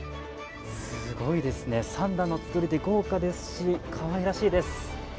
すごいですね、３段のつくりで豪華ですしかわいらしいです。